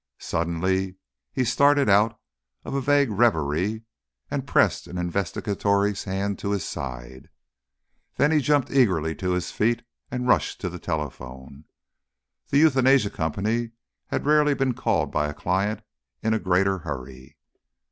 Suddenly he started out of a vague reverie and pressed an investigatory hand to his side. Then he jumped eagerly to his feet and rushed to the telephone. The Euthanasia Company had rarely been called by a client in a greater hurry.